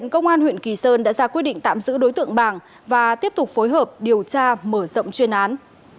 công an huyện kỳ sơn đã ra quyết định tạm giữ đối tượng bàng và tiếp tục phối hợp điều tra mở rộng chuyên án